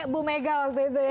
bu mega waktu itu